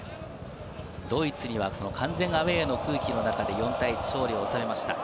ドイツには完全アウェーの空気の中で４対１勝利を収めました。